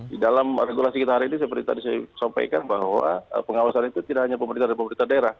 di dalam regulasi kita hari ini seperti tadi saya sampaikan bahwa pengawasan itu tidak hanya pemerintah dan pemerintah daerah